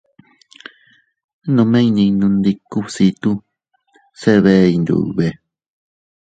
Nome iynninundiku bsitu se bee Iyndube.